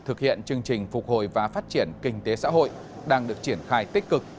thực hiện chương trình phục hồi và phát triển kinh tế xã hội đang được triển khai tích cực